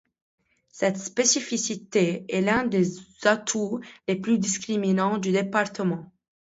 Cette spécificité est l’un des atouts les plus discriminants du département.